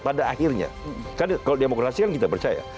pada akhirnya kan kalau demokrasi kan kita percaya